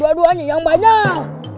dua duanya yang banyak